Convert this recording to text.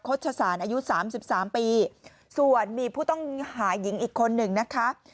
โฆษศาสนอายุ๓๓ปีส่วนมีผู้ต้องหายหญิงอีกคนนึงนะคะ